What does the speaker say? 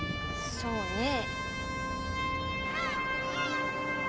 そうね。